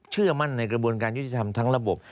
เชื่อมั่นในกระบวนการยุติธรรมทั้งระบบ